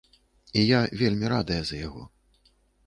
І я вельмі радая за яго.